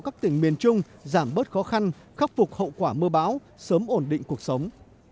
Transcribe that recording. các tỉnh miền trung giảm bớt khó khăn khắc phục hậu quả mưa bão sớm ổn định cuộc sống